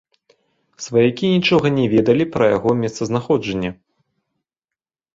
Сваякі нічога не ведалі пра яго месцазнаходжанне.